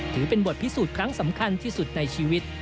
ถือเป็นบทพิสูจน์ครั้งสำคัญที่สุดในชีวิต